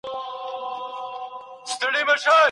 ما ولیدل چي هغه پخپله اوږه ډېري مڼې وړي.